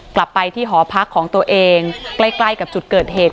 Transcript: กลับไปที่หอพักของตัวเองใกล้ใกล้กับจุดเกิดเหตุ